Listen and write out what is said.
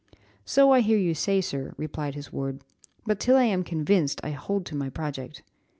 "So I hear you say, sir," replied his ward; "but till I am convinced, I hold to my project."